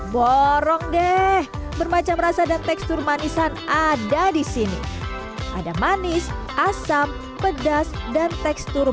borong deh bermacam rasa dan tekstur manisan ada di sini ada manis asam pedas dan tekstur